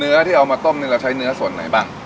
ที่เอามาต้มนี่เราใช้เนื้อส่วนไหนบ้าง